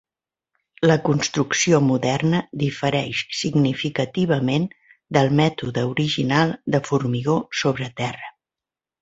La construcció moderna difereix significativament del mètode original de formigó sobre terra.